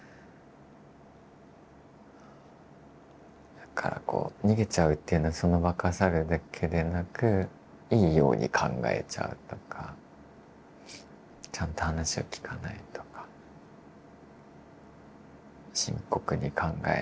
だからこう逃げちゃうっていうのはその場から去るだけでなくいいように考えちゃうとかちゃんと話を聞かないとか深刻に考えないとか。